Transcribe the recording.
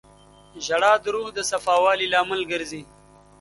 • ژړا د روح د صفا والي لامل ګرځي.